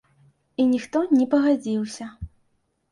І ніхто не пагадзіўся.